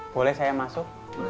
boleh saya masuk